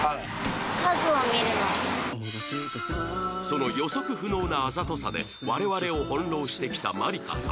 その予測不能なあざとさで我々を翻弄してきたまりか様